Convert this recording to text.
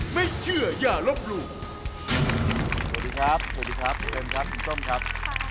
สวัสดีครับสวัสดีครับสวัสดีครับคุณส้มครับ